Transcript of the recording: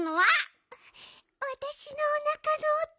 わたしのおなかのおと。